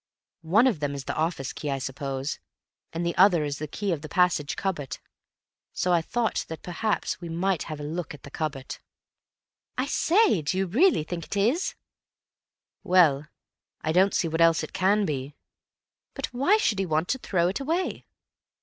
"One of them is the office key, I suppose, and the other is the key of the passage cupboard. So I thought that perhaps we might have a look at the cupboard." "I say, do you really think it is?" "Well, I don't see what else it can be." "But why should he want to throw it away?"